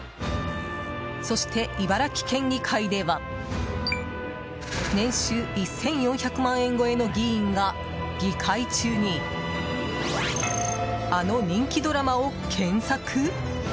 そして、茨城県議会では年収１４００万円超えの議員が議会中にあの人気ドラマを検索？